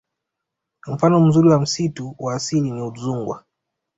Mfano mzuri wa msitu wa asili ni udzungwa